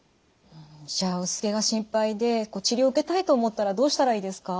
じゃあ薄毛が心配で治療を受けたいと思ったらどうしたらいいですか？